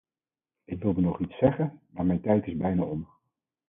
Ik wilde nog iets zeggen, maar mijn tijd is bijna om.